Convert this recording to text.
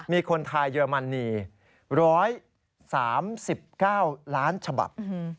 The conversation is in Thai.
มีคนไทยเยอรมนี๑๓๙ล้านฉบับ